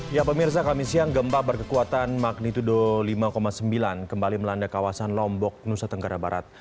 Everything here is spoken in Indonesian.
ya pemirsa kami siang gempa berkekuatan magnitudo lima sembilan kembali melanda kawasan lombok nusa tenggara barat